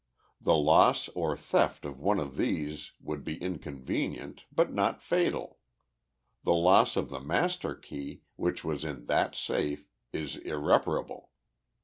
The loss or theft of one of these would be inconvenient, but not fatal. The loss of the master key, which was in that safe, is irreparable.